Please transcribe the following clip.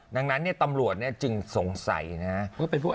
ดังนั้นตำรวจจึงสงสัยนะฮะ